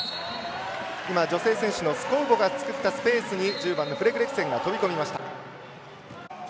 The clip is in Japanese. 女性選手のスコウボが作ったスペースにフレズレクセンが飛び込みました。